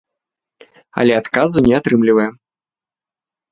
Але адказу не атрымліваем.